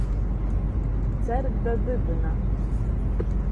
Dzert da dybyna.